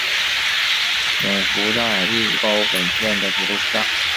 勇拂站日高本线的铁路车站。